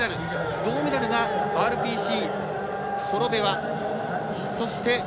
銅メダルがＲＰＣ、ソロベワ。